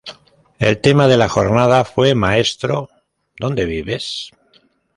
El tema de la jornada fue: "Maestro, ¿dónde vives?